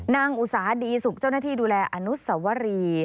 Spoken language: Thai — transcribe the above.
อุตสาดีสุขเจ้าหน้าที่ดูแลอนุสวรี